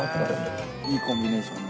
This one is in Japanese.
いいコンビネーション。